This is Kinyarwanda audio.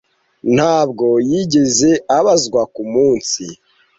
Ntabwo yigeze abazwa ku munsi.